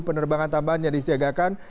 penerbangan tambahan yang disiagakan